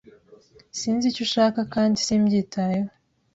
Sinzi icyo ushaka kandi simbyitayeho.